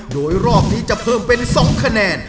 โดยรอบนี้จะเพิ่มเป็น๒คะแนน